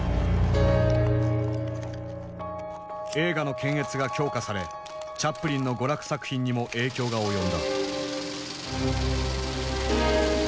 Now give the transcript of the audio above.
映画の検閲が強化されチャップリンの娯楽作品にも影響が及んだ。